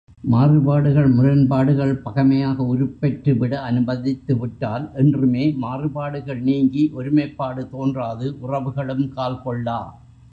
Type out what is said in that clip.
மாறுபாடுகள் முரண்பாடுகள் பகைமையாக உருப்பெற்றுவிட அனுமதித்து விட்டால் என்றுமே மாறுபாடுகள் நீங்கி ஒருமைப்பாடு தோன்றாது உறவுகளும் கால் கொள்ளா.